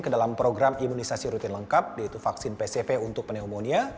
ke dalam program imunisasi rutin lengkap yaitu vaksin pcv untuk pneumonia